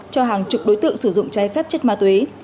cho hàng chục đối tượng sử dụng trái phép chất ma túy